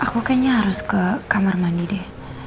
aku kayaknya harus ke kamar mandi deh